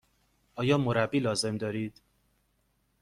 آیا مربی لازم دارید؟